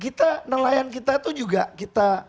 kita nelayan kita itu juga kita